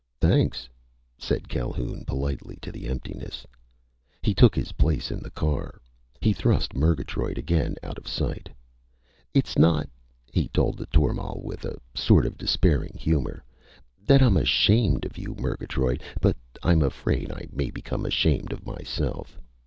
"Thanks," said Calhoun politely to the emptiness. He took his place in the car. He thrust Murgatroyd again out of sight. "It's not," he told the tormal with a sort of despairing humor, "that I'm ashamed of you, Murgatroyd, but I'm afraid I may become ashamed of myself.